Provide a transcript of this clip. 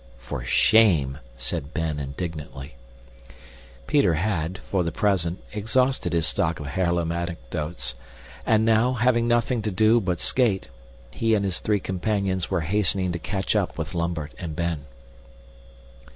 "For shame," said Ben indignantly. Peter had, for the present, exhausted his stock of Haarlem anecdotes, and now, having nothing to do but skate, he and his three companions were hastening to catch up with Lambert and Ben.